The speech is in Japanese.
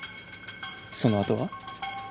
そのあとは？